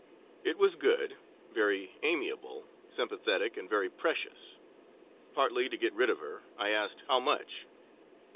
It was good, very amiable, sympathetic and very precious. Partly to get rid of her I asked, "How much?"